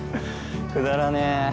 くだらねえ。